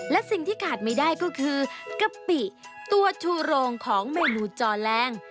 และสิ่งที่ขาดไม่ได้ก็คือกะปิตัวชูโรงของเมนูจอแรง